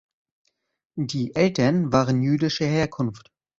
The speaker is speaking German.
Die Eltern waren jüdischer Herkunft.